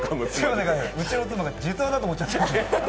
うちの妻が実話だと思っちゃって。